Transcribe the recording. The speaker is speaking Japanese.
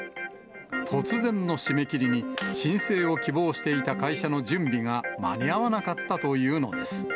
突然の締め切りに、申請を希望していた会社の準備が間に合わなかったというのです。